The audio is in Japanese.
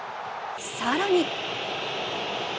更に。